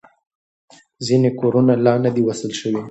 ځینې کورونه لا نه دي وصل شوي.